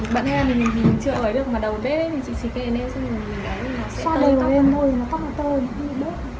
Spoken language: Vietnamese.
bận hơn thì mình chữa ở được mà đầu bếp thì chị xỉ kè lên xong rồi mình đáy thì nó sẽ tơi tóc